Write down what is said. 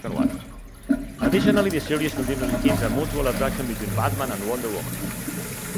Additionally, the series continuously hints at a mutual attraction between Batman and Wonder Woman.